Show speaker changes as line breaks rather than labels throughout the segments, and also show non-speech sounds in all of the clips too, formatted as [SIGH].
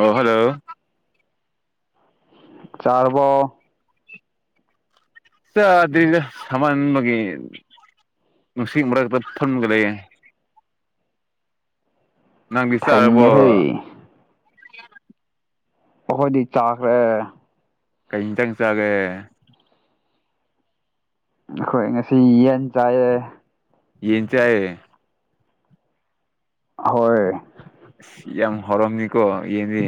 ꯑꯣ ꯍꯜꯂꯣ
ꯆꯥꯔꯕꯣ
ꯆꯥꯗ꯭ꯔꯤꯗ ꯁꯥꯃꯟꯕꯒꯤ ꯅꯨꯡꯁꯤꯠ ꯃꯔꯛꯇ ꯐꯟꯃꯒ ꯂꯩꯌꯦ ꯅꯪꯗꯤ ꯆꯥꯔꯕꯣ
ꯊꯦꯡꯉꯦꯍꯦ ꯑꯩꯈꯣꯏꯗꯤ ꯆꯥꯈ꯭ꯔꯦ
ꯀꯩ ꯍꯤꯖꯥꯡ ꯆꯥꯒꯦ
ꯑꯩꯈꯣꯏ ꯉꯁꯤ ꯌꯦꯟ ꯆꯥꯏꯌꯦ
ꯌꯦꯟ ꯆꯥꯏꯌꯦ
ꯍꯣꯏ
ꯌꯥꯝ ꯍꯥꯎꯔꯝꯅꯤꯀꯣ ꯌꯦꯟꯗꯤ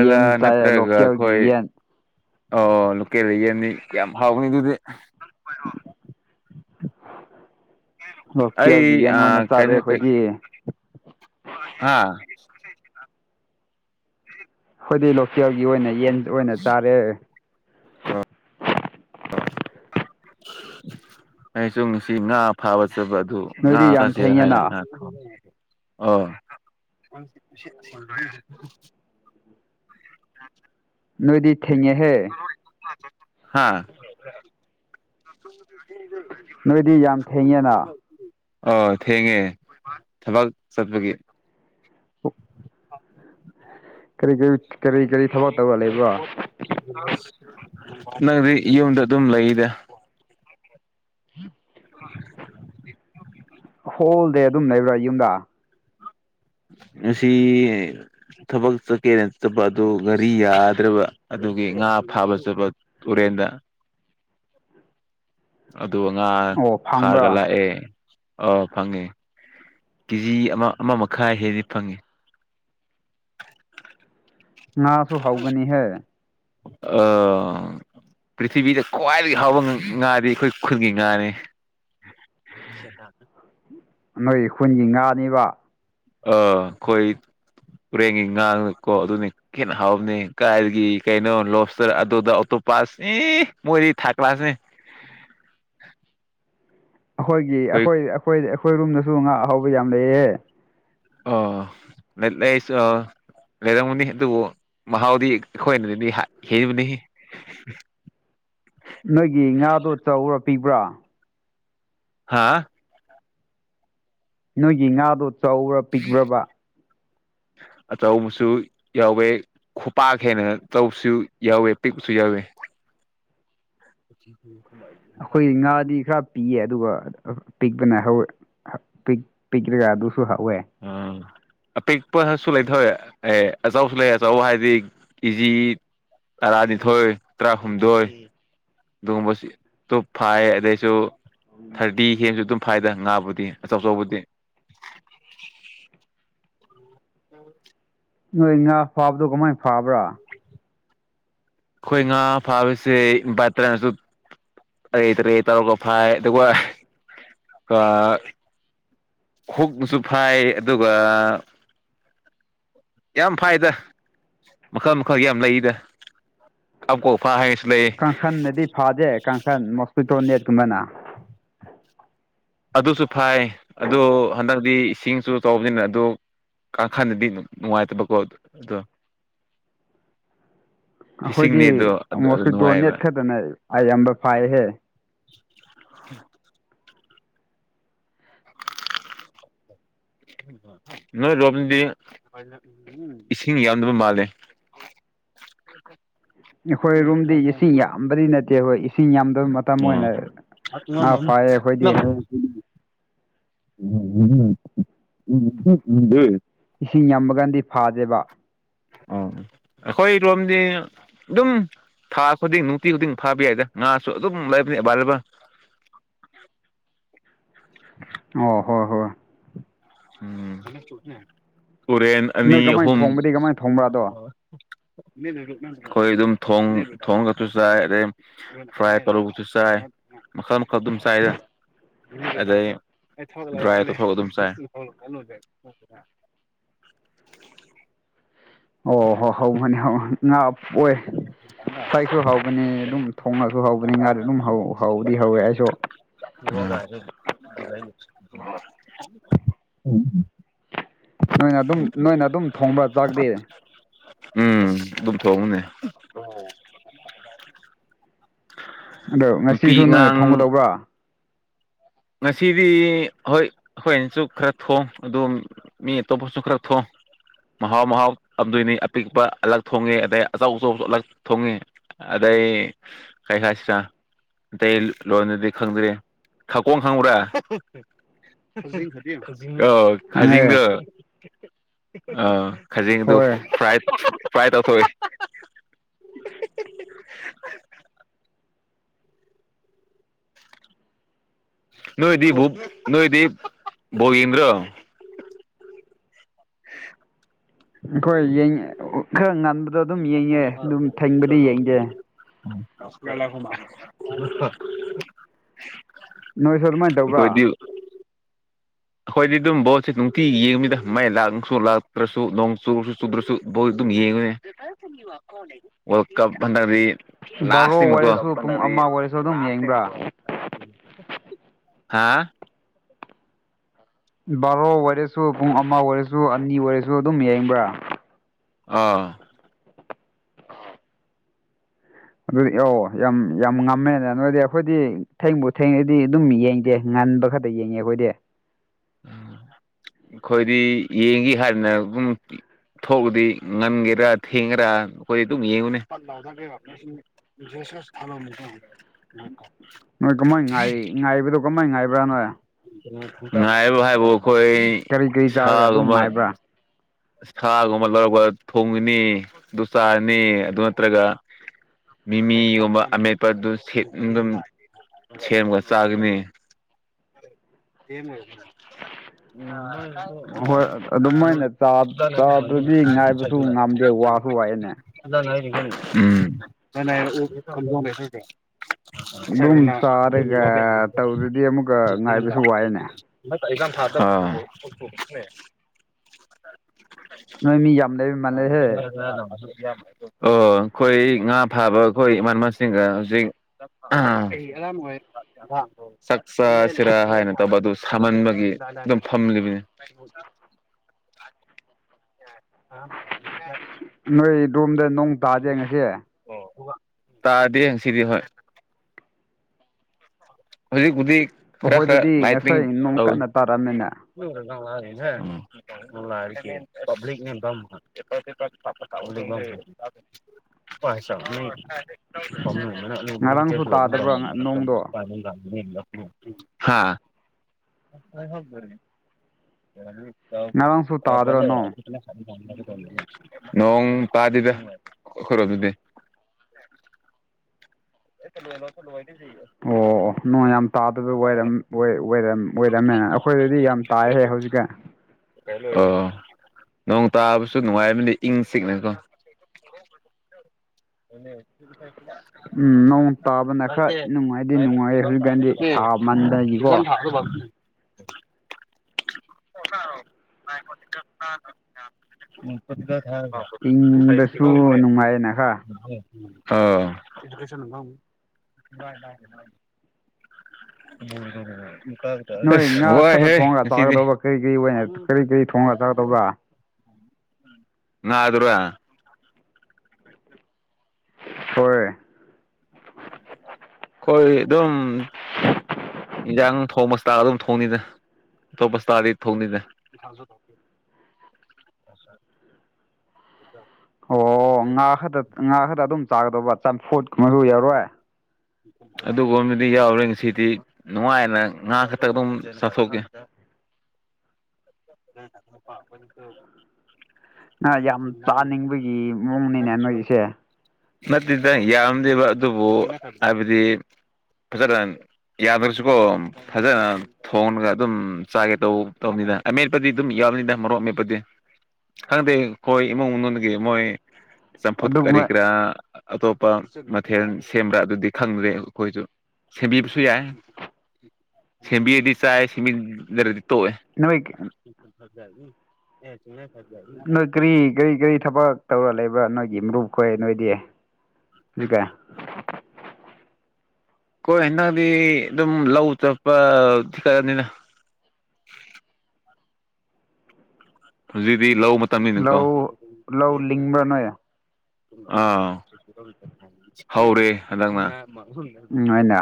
ꯌꯦꯟ ꯆꯥꯏ ꯂꯣꯀꯦꯜꯒꯤ ꯌꯦꯟ
ꯑꯧ ꯂꯣꯀꯦꯜꯒꯤ ꯌꯦꯟꯗꯤ ꯌꯥꯝ ꯍꯥꯎꯒꯅꯤ ꯑꯗꯨꯗꯤ
ꯂꯣꯀꯦꯜꯒꯤ
ꯑꯩ ꯑ
ꯌꯦꯟ ꯑꯣꯏꯅ ꯆꯥꯔꯦ ꯑꯩꯈꯣꯏꯗꯤ
ꯍꯥꯥ
ꯈꯣꯏꯗꯤ ꯂꯣꯀꯦꯜꯒꯤ ꯑꯣꯏꯅ ꯌꯦꯟ ꯑꯣꯏꯅ ꯆꯥꯔꯦ
[UNINTELLIGIBLE] ꯑꯩꯁꯨ ꯉꯁꯤ ꯉꯥ ꯐꯥꯕ ꯆꯠꯄ ꯑꯗꯨ ꯉꯥ
ꯅꯣꯏꯗꯤ ꯌꯥꯝ
ꯆꯥꯖꯦꯔ ꯍꯥꯏꯔ
ꯊꯦꯡꯉꯦꯅ
ꯑꯥ
ꯅꯣꯏꯗꯤ ꯊꯦꯡꯉꯦꯍꯦ
ꯍꯥꯥ
ꯅꯣꯏꯗꯤ ꯌꯥꯝ ꯊꯦꯡꯉꯦꯅ
ꯑꯣ ꯊꯦꯡꯉꯦ ꯊꯕꯛ ꯆꯠꯄꯒꯤ
ꯀꯔꯤ ꯀꯔꯤ ꯀꯔꯤ ꯀꯔꯤ ꯊꯕꯛ ꯇꯧꯔꯒ ꯂꯩꯕ꯭ꯔꯣ
ꯅꯪꯗꯤ ꯌꯨꯝꯗ ꯑꯗꯨꯝ ꯂꯩꯗ
[INAUDIBLE] ꯍꯣꯜꯗꯦ ꯑꯗꯨꯝ ꯂꯩꯕ꯭ꯔꯥ ꯌꯨꯝꯗ
ꯉꯁꯤ ꯊꯕꯛ ꯆꯠꯀꯦꯅ ꯆꯠꯄ ꯑꯗꯨ ꯒꯥꯔꯤ ꯌꯥꯗ꯭ꯔꯕ ꯑꯗꯨꯒꯤ ꯉꯥ ꯐꯥꯕ ꯆꯠꯄ ꯇꯨꯔꯦꯟꯗ ꯑꯗꯨ ꯉꯥ
ꯑꯣ
ꯐꯥꯔꯒ
ꯐꯪꯕ꯭ꯔꯥ
ꯂꯥꯛꯑꯦ ꯑ ꯐꯪꯉꯦ ꯀꯦꯖꯤ ꯑꯃ ꯑꯃ ꯃꯈꯥꯏ ꯍꯦꯗꯤ ꯐꯪꯉꯦ
ꯉꯥꯁꯨ ꯍꯥꯎꯕꯅꯤꯍꯦ
ꯑꯥ ꯄ꯭ꯔꯤꯊꯤꯕꯤꯗ ꯈ꯭ꯋꯥꯏꯗꯒꯤ ꯍꯥꯎꯕ ꯉ ꯉꯥꯗꯤ ꯑꯩꯈꯣꯏ ꯈꯨꯟꯒꯤ ꯉꯥꯅꯤ [UNINTELLIGIBLE]
ꯅꯣꯏ ꯈꯨꯟꯒꯤ ꯉꯥꯅꯤꯕ
ꯑꯥ ꯑꯩꯈꯣꯏ ꯇꯨꯔꯦꯟꯒꯤ ꯉꯥꯀꯣ ꯑꯗꯨꯅꯤ ꯍꯦꯟꯅ ꯍꯥꯎꯕꯅꯦ ꯀꯥꯏꯗꯒꯤ ꯀꯩꯅꯣ ꯂꯣꯄꯁꯇꯔ ꯑꯗꯨꯗꯥ ꯑꯣꯛꯇꯣꯄꯥꯁ ꯑꯦ ꯃꯣꯏꯗꯤ ꯊꯥꯔꯠ ꯀ꯭ꯂꯥꯁꯅꯦ
ꯑꯩꯈꯣꯏꯒꯤ ꯑꯩꯈꯣꯏ ꯑꯩꯈꯣꯏ ꯑꯩꯈꯣꯏ ꯔꯣꯝꯗꯁꯨ ꯉꯥ ꯑꯍꯥꯎꯕ ꯌꯥꯝ ꯂꯩꯌꯦ
ꯑꯥ [UNINTELLIGIBLE] ꯂꯩꯔꯝꯒꯅꯤ ꯑꯗꯨꯕꯨ ꯃꯍꯥꯎꯗꯤ ꯑꯩꯈꯣꯏꯅꯗꯤ ꯍꯦꯟꯕꯅꯤꯍꯦ
ꯅꯣꯏꯒꯤ ꯉꯥꯗꯣ ꯆꯥꯎꯕꯔꯥ ꯄꯤꯛꯄꯔꯥ
ꯍꯥꯥ
ꯅꯣꯏꯒꯤ ꯉꯥꯗꯣ ꯆꯥꯎꯕꯔꯥ ꯄꯤꯛꯄ꯭ꯔꯕ
ꯑꯆꯧꯕꯁꯨ ꯌꯥꯎꯋꯦ ꯈꯨꯄꯥꯛ ꯍꯦꯟꯅ ꯌꯥꯎꯕꯁꯨ ꯌꯥꯎꯋꯦ ꯄꯤꯛꯄꯁꯨ ꯌꯥꯎꯋꯦ [INAUDIBLE] [UNINTELLIGIBLE]
ꯑꯩꯈꯣꯏꯒꯤ ꯉꯥꯗꯤ ꯈꯔ ꯄꯤꯛꯌꯦ ꯑꯗꯨꯒ ꯄꯤꯛꯄꯅ ꯄꯤꯛꯔꯒ ꯑꯗꯨꯁꯨ ꯍꯥꯎꯋꯦ
ꯎꯝ
[INAUDIBLE]
ꯑꯄꯤꯛꯄꯁꯨ ꯂꯩꯇꯧꯋꯦ ꯑꯦ ꯑꯆꯥꯎꯁꯨ ꯂꯩꯌ‌ꯦ ꯑꯆꯥꯎꯕ ꯍꯥꯏꯗꯤ ꯀ‌ꯦꯖꯤ ꯇꯔꯥꯅꯤꯊ‌ꯣꯏ ꯇ꯭ꯔꯥꯍꯨꯝꯗꯣꯏ ꯑꯗꯨꯒꯨꯝꯕ ꯇ ꯐꯥꯏ ꯑꯗꯩꯁꯨ ꯊꯥꯔꯇꯤ ꯍꯦꯟꯅ ꯑꯗꯨꯝ ꯐꯥꯏꯗ ꯉꯥꯕꯨꯗꯤ ꯑꯆꯧꯕꯕꯨꯗꯤ [INAUDIBLE]
ꯅꯣꯏ ꯉꯥ ꯐꯥꯕꯗꯣ ꯀꯃꯥꯏꯅ ꯐꯥꯕ꯭ꯔꯥ
ꯑꯩꯈꯣꯏ ꯉꯥ ꯐꯥꯕꯁꯦ ꯏꯄꯥꯇꯔꯅꯁꯨ ꯑ ꯇꯔꯦ ꯇꯧꯔꯒ ꯐꯥꯏ ꯑꯗꯨꯒ ꯑ ꯍꯨꯛꯄꯁꯨ ꯐꯥꯏ ꯑꯗꯨꯒ ꯌꯥꯝ ꯐꯥꯏꯗ ꯃꯈꯜ ꯃꯈꯜꯒꯤ ꯌꯥꯝ ꯂꯩꯗ ꯀꯥꯞ ꯀ ꯐ ꯍꯥꯏꯁ
ꯀꯥꯡꯈꯟꯅꯗꯤ ꯐꯥꯗꯦ ꯀꯥꯡꯈꯟ ꯃꯣꯁꯀꯇꯣ ꯅꯦꯠꯀꯨꯝꯕꯅ
ꯑꯗꯨꯁꯨ ꯐꯥꯏ ꯑꯗꯨ ꯍꯟꯗꯛꯇꯤ ꯏꯁꯤꯡꯁꯨ ꯆꯥꯎꯕꯅꯤꯅ ꯑꯗꯨ ꯀꯥꯡ ꯈꯟꯅꯗꯤ ꯅꯨꯡꯉꯥꯏꯇꯕꯀꯣ ꯑꯗ‌ꯣ
[INAUDIBLE] ꯑꯩꯈꯣꯏꯗꯤ
ꯐꯤꯁꯤꯡꯅꯦ ꯑꯗꯣ ꯑꯗꯨ
ꯃꯣꯁꯀꯤ꯭ꯔꯤꯇꯣ ꯅꯦꯠ
ꯅꯨꯡꯉꯥꯏꯕ
ꯈꯛꯇꯅ ꯑꯌꯥꯝꯕ ꯐꯥꯏꯍꯦ
ꯅꯣꯏ ꯔ‌ꯣꯝꯗꯗꯤ ꯏꯁꯤꯡ ꯌꯥꯝꯗꯕ ꯃꯥꯜꯂꯦ
ꯑꯩꯈꯣꯏ ꯔ‌ꯣꯝꯗꯤ ꯏꯁꯤꯡ ꯌꯥꯝꯕꯗꯤ ꯅꯠꯇ‌ꯦꯕ ꯏꯁꯤꯡ ꯌꯥꯝꯗꯕ ꯃꯇꯝ
ꯑꯥ
ꯑꯣꯏꯅ ꯉꯥ ꯐꯥꯏꯌꯦ ꯑꯩꯈꯣꯏꯗꯤ
[UNINTELLIGIBLE]
ꯏꯁꯤꯡ ꯌꯥꯝꯕ ꯀꯥꯟꯗꯤ ꯐꯥꯗꯦꯕ
ꯑ‌ꯣ ꯑꯩꯈꯣꯏꯔꯣꯝꯗꯤ ꯑꯗꯨꯝ ꯊꯥ ꯈꯨꯗꯤꯡ ꯅꯨꯡꯇꯤ ꯈꯨꯗꯤꯡ ꯐꯥꯕ ꯌꯥꯏꯗ ꯉꯥꯁꯨ ꯑꯗꯨꯝ ꯂꯩꯕꯅꯤ ꯑꯦꯕꯥꯏꯂꯦꯕꯜ
ꯑꯣ ꯍꯣꯏ ꯍꯣꯏ
ꯎꯝ ꯇꯨꯔꯦꯟ
ꯅꯣꯏ
ꯑꯅꯤ
ꯀꯃꯥꯏꯅ
ꯑꯍꯨꯝ
ꯊꯣꯡꯕꯗꯤ ꯀꯃꯥꯏꯅ ꯊꯣꯡꯕ꯭ꯔꯥ ꯑꯗꯣ
ꯑꯩꯈꯣꯏ ꯑꯗꯨꯝ ꯊꯣꯡ ꯊ‌ꯣꯡꯉꯒꯁꯨ ꯆꯥꯏ ꯑꯗꯩ ꯐ꯭ꯔꯥꯏ ꯇꯧꯔꯒꯁꯨ ꯆꯥꯏ ꯃꯈꯜ ꯃꯈꯜ ꯑꯗꯨꯝ ꯆꯥꯏꯗ ꯑꯗꯩ ꯗ꯭ꯔꯥꯏ ꯇꯧꯔ‌ꯣꯛꯑ ꯑꯗꯨꯝ ꯆꯥꯏ
ꯑꯣ ꯍ‌ꯣ ꯍꯥꯎꯕꯅ‌ꯦ ꯉꯥ ꯑꯣꯏ ꯐꯔꯥꯏꯁꯨ ꯍꯥꯎꯕꯅꯤ ꯑꯗꯨꯝ ꯊꯣꯡꯉꯁꯨ ꯍꯥꯎꯕꯅꯤ ꯉꯥꯗꯤ ꯑꯗꯨꯝ ꯍꯥꯎꯗꯤ ꯍꯥꯎꯋꯦ ꯑꯩꯁꯨ
[UNINTELLIGIBLE] [INAUDIBLE]
[UNINTELLIGIBLE]
ꯎꯝ
ꯅꯣꯏꯅ ꯑꯗꯨꯝ ꯅꯣꯏꯅ ꯑꯗꯨꯝ ꯊꯣꯡꯕ꯭ꯔ ꯆꯥꯛꯇꯤ
ꯎꯝ ꯑꯗꯨꯝ ꯊꯣꯡꯕꯅꯦ
[INAUDIBLE] ꯑꯗꯣ
ꯅꯨꯄꯤ
ꯉꯁꯤꯁꯨ ꯅꯣꯏꯅ
ꯑꯉꯥꯡ
ꯊꯣꯡꯒꯗꯧꯕ꯭ꯔꯥ
ꯉꯁꯤꯗꯤ ꯍꯣꯏ ꯑꯩꯈ‌ꯣꯏꯅꯁꯨ ꯈꯔ ꯊꯣꯡ ꯑꯗꯨꯝ ꯃꯤ ꯑꯇꯣꯞꯄꯁꯨ ꯈꯔ ꯊꯣꯡ ꯃꯍꯥꯎ ꯃꯍꯥꯎ ꯐꯝꯗꯣꯏꯅꯤ ꯑꯄꯤꯛꯄ ꯑꯂꯛ ꯊꯣꯡꯉꯦ ꯑꯗꯩ ꯑꯆꯧ ꯑꯆꯧꯕꯁꯨ ꯑꯂꯛ ꯊꯣꯡꯉꯦ ꯑꯗꯩ ꯀꯩ ꯍꯥꯏꯁꯤꯔꯥ ꯑꯇꯩ ꯂꯣꯟꯗꯗꯤ ꯈꯪꯗ꯭ꯔꯤ ꯀꯣꯡ ꯈꯪꯕ꯭ꯔꯥ
ꯈꯪꯉꯦ
ꯈꯖꯤꯡꯗ ꯑꯥ ꯈꯖꯤꯡꯗꯨ
ꯍꯣꯏ
ꯐ꯭ꯔꯥꯏ ꯐ꯭ꯔꯥꯏ ꯇꯧꯊꯣꯛꯏ ꯅꯣꯏꯗꯤ ꯅꯣꯏꯗꯤ ꯕꯣꯜ ꯌꯦꯡꯗ꯭ꯔꯣ
ꯑꯩꯈꯣꯏ ꯌꯦꯡꯉ ꯈꯔ ꯉꯟꯕꯗꯣ ꯑꯗꯨꯝ ꯌꯦꯡꯉꯦ ꯑꯗꯨꯝ ꯊꯦꯡꯕꯗꯤ ꯌꯦꯡꯗꯦ
[UNINTELLIGIBLE]
ꯅꯣꯏꯁꯨ ꯑꯗꯨꯃꯥꯏꯅ ꯇꯧꯕ꯭ꯔꯥ
ꯑꯩꯈꯣꯏꯗꯤ ꯑꯗꯨꯝ ꯕꯣꯠꯁꯦ ꯅꯨꯡꯇꯤ ꯌꯦꯡꯉꯤꯗ ꯃꯩ ꯂꯥꯛꯁꯨ ꯂꯥꯛꯇ꯭ꯔꯁꯨ ꯅꯣꯡ ꯆꯨꯨꯔꯁꯨ ꯆꯨꯗ꯭ꯔꯁꯨ ꯕꯣꯜ ꯑꯗꯨꯝ ꯌꯦꯡꯉꯦ ꯋꯥꯔꯜ ꯀꯞ [UNINTELLIGIBLE]
ꯕꯥꯔꯣ
ꯂꯥꯁꯅꯤꯅꯀꯣ
ꯑꯣꯏꯔꯁꯨ ꯄꯨꯡ ꯑꯃ ꯑꯣꯏꯔꯁꯨ ꯑꯗꯨꯝ ꯌꯦꯡꯕ꯭ꯔꯥ
ꯍꯥꯥ
ꯕꯥꯔꯣ ꯑꯣꯏꯔꯁꯨ ꯄꯨꯡ ꯑꯃ ꯑꯣꯏꯔꯁꯨ ꯑꯅꯤ ꯑꯣꯏꯔꯁꯨ ꯑꯗꯨꯝ ꯌꯦꯡꯕ꯭ꯔꯥ
ꯑꯥ
[INAUDIBLE] ꯑꯗꯨꯗꯤ ꯑꯧ ꯌꯥꯝ ꯌꯥꯝ ꯉꯝꯃꯦꯅ ꯅꯣꯏꯗꯤ ꯑꯩꯈꯣꯏꯗꯤ ꯊꯦꯡꯕꯨ ꯊꯦꯡꯉꯗꯤ ꯑꯗꯨꯝ ꯌꯦꯡꯗꯦ ꯉꯟꯕ ꯈꯛꯇ ꯑ ꯌꯦꯡꯉꯦ ꯑꯩꯈꯣꯏꯗꯤ [INAUDIBLE]
ꯑꯩꯈꯣꯏꯗꯤ ꯌꯦꯡꯈꯤ ꯍꯥꯏꯗꯅ ꯑꯗꯨꯝ ꯊꯣꯛꯑꯗꯤ ꯉꯟꯒꯦꯔꯥ ꯊꯦꯡꯒꯦꯔꯥ ꯑꯩꯈꯣꯏ ꯑꯗꯨꯝ ꯌꯦꯡꯉꯨꯅꯦ [UNINTELLIGIBLE]
ꯅꯣꯏ ꯀꯃꯥꯏ ꯉꯥꯏ ꯉꯥꯏꯕꯗꯣ ꯀꯃꯥꯏ ꯉꯥꯏꯕ꯭ꯔꯥꯅꯣꯏ
ꯉꯥꯏꯕ ꯍꯥꯏꯕꯨ ꯑꯩꯈꯣꯏ
ꯀꯔꯤ ꯀꯔꯤ ꯆꯥꯔꯒ ꯑꯗꯨꯝ
ꯁꯥꯒꯨꯝꯕ
ꯉꯥꯏꯕ꯭ꯔꯥ
ꯁꯥꯒꯨꯝꯕ ꯂꯧꯔꯛꯄ ꯊꯣꯡꯉꯅꯤ ꯑꯗꯨ ꯆꯥꯔꯅꯤ ꯑꯗꯨ ꯅꯠꯇ꯭ꯔꯒ ꯃꯤꯃꯤꯒꯨꯝꯕ ꯑꯃꯦꯠꯄꯗꯨ ꯁꯦꯝ ꯑꯗꯨꯝ ꯁꯦꯝꯒ ꯆꯥꯒꯅꯤ [UNINTELLIGIBLE]
ꯑꯍꯣꯏ ꯑꯗꯨꯝ ꯃꯣꯏꯅ ꯆꯥꯗꯨꯗꯤ ꯉꯥꯏꯕꯁꯨ ꯉꯝꯗꯦ ꯋꯥꯁꯨ ꯋꯥꯏꯑꯦꯅꯦ
[UNINTELLIGIBLE]
ꯑꯗꯨꯝ ꯆꯥꯔꯒ ꯇꯧꯗꯗꯤ ꯑꯃꯨꯛꯀ ꯉꯥꯏꯕꯁꯨ ꯋꯥꯏꯅꯦ
ꯑ [UNINTELLIGIBLE]
ꯅꯣꯏ ꯃꯤ ꯌꯥꯝ ꯂꯩꯕ
ꯑꯣ
ꯃꯥꯜꯂꯦꯍꯦ
ꯑꯩꯈꯣꯏ ꯉꯥ ꯐꯥꯕ ꯑꯩꯈꯣꯏ ꯏꯃꯥꯟꯅꯕꯁꯤꯡꯒ ꯍꯧꯖꯤꯛ ꯑ ꯆꯥꯛ ꯆꯥ ꯁꯤꯔꯥ ꯍꯥꯏꯅ ꯇꯧꯕ ꯑꯗꯨ ꯁꯥꯃꯟꯕꯒꯤ ꯑꯗꯨꯝ ꯐꯝꯂꯤꯕꯅꯤ [UNINTELLIGIBLE]
ꯅꯣꯏ ꯔꯣꯝꯗ ꯅꯣꯡ ꯇꯥꯗꯦ ꯉꯁꯤ
ꯇꯥꯗꯦ ꯁꯤꯗꯤ ꯍꯣꯏ ꯍꯧꯖꯤꯛ ꯄꯨꯗꯤ ꯈꯔ ꯈꯔ
ꯑꯩꯈꯣꯏꯗꯗꯤ
ꯂꯥꯏꯇꯤꯛ
ꯉꯁꯥꯏ ꯅꯣꯡ
ꯇꯧꯋꯦ
ꯀꯟꯅ ꯇꯥꯔꯝꯃꯦꯅꯦ
[UNINTELLIGIBLE] ꯄꯕꯂꯤꯛ [UNINTELLIGIBLE]
[INAUDIBLE]
[UNINTELLIGIBLE]
ꯉꯔꯥꯡꯁꯨ
[UNINTELLIGIBLE]
ꯇꯥꯗꯕ꯭ꯔꯣ ꯅꯣꯡꯗꯣ
[INAUDIBLE] [INAUDIBLE]
ꯉꯔꯥꯡꯁꯨ ꯇꯥꯗ꯭ꯔꯣ ꯅꯣꯡ
[UNINTELLIGIBLE] ꯅꯣꯡ ꯇꯥꯗꯦꯗ ꯈꯣꯏꯔꯣꯝꯗꯗꯤ [UNINTELLIGIBLE]
ꯑꯣ ꯑꯣ ꯅꯣꯡ ꯌꯥꯝ ꯇꯥꯗꯕ ꯑꯣꯏꯔꯝꯃꯦꯅ ꯑꯩꯈꯣꯏꯗꯗꯤ ꯌꯥꯝ ꯇꯥꯏꯍꯦ ꯍꯧꯖꯤꯛꯀ
ꯑꯣ ꯅꯣꯡ ꯇꯥꯕꯁꯨ ꯅꯨꯡꯉꯥꯏꯕꯅꯦ ꯏꯪ ꯆꯤꯛꯅꯤꯀꯣ ꯑ [INAUDIBLE]
ꯎꯝ ꯅꯣꯡ ꯇꯥꯕꯅ ꯈꯔ ꯅꯨꯡꯉꯥꯏꯗꯤ ꯅꯨꯡꯉꯥꯏꯌꯦ ꯍꯧꯖꯤꯛꯀꯥꯟꯗꯤ ꯁꯥꯃꯟꯕꯒꯤꯀꯣ
[UNINTELLIGIBLE] [UNINTELLIGIBLE] [UNINTELLIGIBLE] ꯎꯝ ꯄꯒ ꯍꯥꯏꯔꯕ
ꯏꯪꯕꯁꯨ ꯅꯨꯡꯉꯥꯏꯌꯦꯅꯈꯔ
ꯑꯥꯎ [UNINTELLIGIBLE] ꯏꯁ
ꯅꯣꯏ ꯉꯥ ꯈꯛꯇ
ꯋꯥꯏꯍꯦ
ꯊꯣꯡꯉꯒ
ꯉꯁꯤꯗꯤ
ꯆꯥꯒꯗꯧꯕ ꯀꯔꯤ ꯀꯔꯤ ꯑꯣꯏꯅ ꯀꯔꯤ ꯀꯔꯤ ꯊꯣꯡꯉꯒ ꯆꯥꯒꯗꯧꯕ꯭ꯔꯥ
ꯉꯥꯗꯨ꯭ꯔ
ꯍꯣꯏ
ꯎꯝ [UNINTELLIGIBLE] ꯀꯣꯏ ꯑꯗꯨꯝ ꯌꯦꯟꯖꯥꯡ ꯊꯣꯡꯕ ꯏꯁꯇꯥꯏꯜꯗ ꯑꯗꯨꯝ ꯊꯣꯡꯅꯤꯗ ꯑꯇꯣꯞꯄ ꯏꯁꯇꯥꯏꯜꯗꯤ ꯊꯣꯡꯗꯦꯗ
[INAUDIBLE]
[INAUDIBLE]
ꯑꯣ ꯉꯥ ꯈꯛꯇ ꯉꯥ ꯈꯛꯇ ꯑꯗꯨꯝ ꯆꯥꯒꯗꯧꯕ ꯆꯝꯐꯨꯠꯀꯨꯝꯕꯗꯨ ꯌꯥꯎꯔꯣꯏ
ꯑꯗꯨꯒꯨꯝꯕꯗꯤ ꯌꯥꯎꯔꯣꯏ ꯉꯁꯤꯗꯤ ꯅꯨꯡꯉꯥꯏꯅ ꯉꯥ ꯈꯛꯇ ꯑꯗꯨꯝ ꯆꯥꯊꯣꯛꯀꯦ [INAUDIBLE]
ꯉꯥ ꯌꯥꯝ ꯆꯥꯅꯤꯡꯕꯒꯤ ꯃꯑꯣꯡꯅꯤꯅꯦ ꯅꯣꯏꯒꯤꯁꯦ
ꯅꯠꯇꯦꯗ ꯌꯥꯝꯗꯦꯕ ꯑꯗꯨꯕꯨ ꯍꯥꯏꯕꯗꯤ ꯐꯖꯅ ꯌꯥꯗ꯭ꯔꯁꯨꯀꯣ ꯐꯖꯅ ꯊꯣꯡꯉꯒ ꯑꯗꯨꯝ ꯆꯥꯒꯦ ꯇꯧ- ꯇꯧꯅꯤꯗ ꯑꯃꯦꯠꯄꯗꯤ ꯑꯗꯨꯝ ꯌꯥꯎꯕꯅꯤꯗ ꯃꯣꯔꯣꯛ ꯑꯃꯦꯠꯄꯗꯤ ꯈꯪꯗꯦ ꯑꯩꯈꯣꯏ ꯏꯃꯨꯡ ꯃꯅꯨꯡꯗꯒꯤ ꯃꯣꯏ ꯆꯝꯐꯨꯠ
ꯑꯗꯨꯒꯨꯝꯕ
ꯀꯔꯤꯀ꯭ꯔꯥ ꯑꯇꯣꯞꯄ ꯃꯊꯦꯜ ꯁꯦꯝꯕ꯭ꯔꯥ ꯑꯗꯨꯗꯤ ꯈꯪꯗ꯭ꯔꯦ ꯑꯩꯈꯣꯏꯁꯨ ꯁꯦꯝꯕꯤꯕꯁꯨ ꯌꯥꯏ ꯁꯦꯝꯕꯤꯔꯗꯤ ꯆꯥꯏ ꯁꯦꯝꯕꯤꯗ꯭ꯔꯗꯤ ꯇꯣꯛꯑꯦ
ꯅꯣꯏ
[UNINTELLIGIBLE]
ꯀꯔꯤ-ꯀꯔꯤ-ꯀꯔꯤ ꯊꯕꯛ ꯇꯧꯔ ꯂꯩꯕ꯭ꯔꯥ ꯅꯣꯏꯒꯤ ꯃꯔꯨꯞꯈꯣꯏ ꯅꯣꯏꯗꯤ ꯍꯧꯖꯤꯛ ꯀꯥꯟ
ꯈꯣꯏ ꯍꯟꯗꯛꯗꯤ ꯑꯗꯨꯝ ꯂꯧ ꯆꯠꯄ ꯈꯔꯅꯤꯅ ꯍꯧꯖꯤꯛꯇꯤ ꯂꯧ ꯃꯇꯝꯅꯤꯅꯀꯣ
ꯂꯧ ꯂꯧ ꯂꯤꯡꯕ꯭ꯔꯥ ꯅꯣꯏ
ꯑꯥ ꯍꯧꯔꯦ ꯍꯟꯗꯛꯅ
ꯎꯪ ꯑꯩꯅ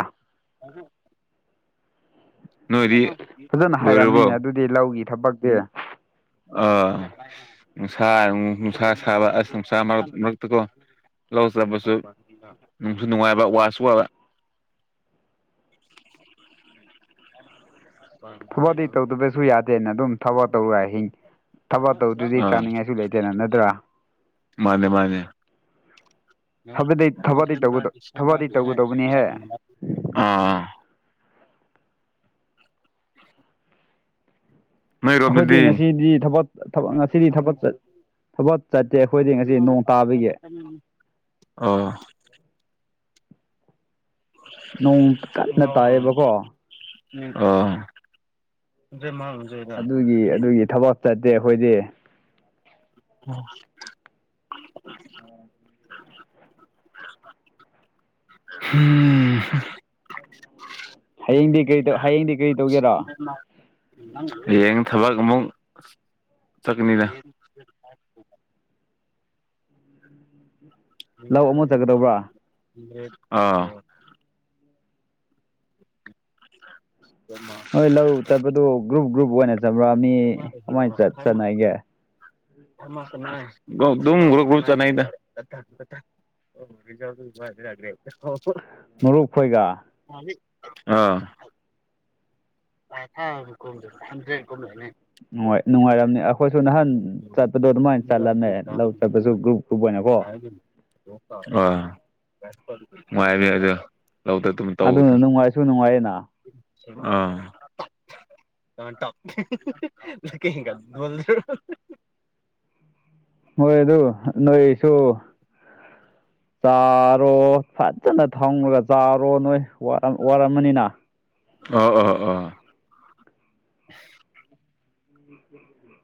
ꯅꯣꯏꯗꯤ
ꯐꯖꯅ
ꯂꯣꯏꯔꯕꯣ
ꯍꯥꯏꯔꯝꯅꯤꯅꯦ ꯑꯗꯨꯗꯤ ꯂꯧꯒꯤ ꯊꯕꯛꯇꯤ
ꯑꯥ ꯅꯨꯡꯁꯥ ꯅꯨꯡꯁꯥ ꯁꯥꯕ ꯑꯁ ꯅꯨꯡꯁꯥ ꯃꯔꯛ ꯃꯔꯛꯇꯀꯣ ꯂꯧ ꯆꯠꯄꯁꯨ ꯅꯨꯡꯁꯨ ꯅꯨꯡꯉꯥꯏꯕ ꯋꯥꯁꯨ ꯋꯥꯕ
ꯊꯕꯛꯗꯤ ꯇꯧꯗꯕꯁꯨ ꯌꯥꯗꯦꯅ ꯑꯗꯨꯝ ꯊꯕꯛ ꯇꯧꯔꯍꯤꯡ ꯊꯕꯛ ꯇꯧꯗ꯭ꯔꯗꯤ
ꯑꯥ
ꯆꯥꯅꯤꯡꯉꯥꯏꯁꯨ ꯂꯩꯇꯦꯅ ꯅꯠꯇ꯭ꯔꯥ
ꯃꯥꯅꯦ ꯃꯥꯅꯦ
ꯊꯕꯗꯤ-ꯊꯕꯗꯤ ꯇꯧꯒꯗ ꯊꯕꯗꯤ ꯇꯧꯒꯗꯧꯕꯅꯤꯍꯦ
ꯑꯥ ꯑꯥ [INAUDIBLE]
ꯑꯩꯈꯣꯏꯗꯤ
ꯅꯣꯏꯔꯣꯝꯗꯗꯤ
ꯉꯁꯤꯗꯤ ꯊꯕꯛ ꯉꯁꯤꯗꯤ ꯊꯕꯛ ꯆꯠ ꯊꯕꯛ ꯆꯠꯇꯦ ꯑꯩꯈꯣꯏꯗꯤ ꯉꯁꯤ ꯅꯣꯡ ꯇꯥꯕꯒꯤ
ꯑꯥ
ꯅꯣꯡ ꯀꯟꯅ ꯇꯥꯏꯌꯦꯕꯀꯣ
[INAUDIBLE] [UNINTELLIGIBLE]
ꯑꯗꯨꯒꯤ-ꯑꯗꯨꯒꯤ ꯊꯕꯛ ꯆꯠꯇꯦ ꯑꯩꯈꯣꯏꯗꯤ
[INAUDIBLE]
[INAUDIBLE]
[UNINTELLIGIBLE]
ꯍꯌꯦꯡꯗꯤ ꯀꯩ ꯇꯧ ꯍꯌꯦꯡꯗꯤ ꯀꯔꯤ ꯇꯧꯒꯦꯔꯣ
ꯍꯌꯦꯡ ꯊꯕꯛ ꯑꯃꯨꯛ ꯆꯠꯀꯅꯤꯗ
ꯂꯧ ꯑꯃꯨꯛ ꯆꯠꯀꯗꯧꯕ꯭ꯔꯥ
ꯑꯥ [INAUDIBLE]
ꯅꯣꯏ ꯂꯧ ꯆꯠꯄꯗꯨ ꯒ꯭ꯔꯨꯞ ꯒ꯭ꯔꯨꯞ ꯑꯣꯏꯅ ꯆꯠꯕ꯭ꯔ ꯃꯤ ꯀꯃꯥꯏꯅ ꯆꯠꯅꯒꯦ
ꯑꯗꯨꯝ ꯒ꯭ꯔꯨꯄ ꯒ꯭ꯔꯨꯞ ꯆꯠꯅꯩꯗ [UNINTELLIGIBLE]
ꯃꯔꯨꯞ ꯈꯣꯏꯒ
ꯑ [UNINTELLIGIBLE]
ꯅꯨꯡꯉꯥꯏ ꯅꯨꯡꯉꯥꯏꯔꯝꯅꯤ ꯑꯩꯈꯣꯏꯁꯨ ꯅꯍꯥꯟ ꯆꯠꯄꯗꯣ ꯑꯗꯨꯃꯥꯏꯅ ꯆꯠꯂꯝꯃꯦ ꯂꯧ ꯆꯠꯄꯁꯨ ꯒ꯭ꯔꯨꯞ ꯒ꯭ꯔꯨꯞ ꯑꯣꯏꯅꯀꯣ
ꯑ ꯅꯨꯡꯉꯥꯏꯕꯤ ꯑꯗꯨ ꯂꯧꯗꯥ
ꯑꯗꯨꯅ ꯅꯨꯡꯉꯥꯏꯁꯨ ꯅꯨꯡꯉꯥꯏꯌꯦꯅ
ꯑ [UNINTELLIGIBLE]
ꯍꯣꯏ ꯑꯗꯨ ꯅꯣꯏꯁꯨ ꯆꯥꯔꯣ ꯐꯖꯅ ꯊꯥꯎꯉꯒ ꯆꯥꯔꯣ ꯅꯣꯏ ꯋꯥꯔꯝꯃꯅꯤꯅ
ꯑꯣ ꯑꯣ ꯑꯣ